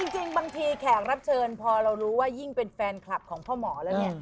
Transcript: จริงบางทีแขกรับเชิญพอเรารู้ว่ายิ่งเป็นแฟนคลับของพ่อหมอแล้วเนี่ย